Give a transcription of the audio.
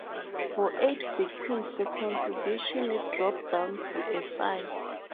For eight victims the contribution dropped down to a five.